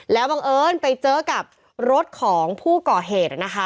แล้วบังเอิญไปเจอกับรถของผู้ก่อเหตุนะคะ